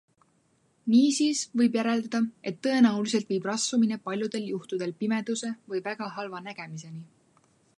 Niisiis võib järeldada, et tõenäoliselt viib rasvumine paljudel juhtudel pimeduse või väga halva nägemiseni.